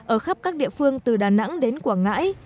ở khắp các địa phương từ đà nẵng đến quảng ngãi